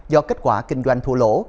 do kết quả kinh doanh thua lỗ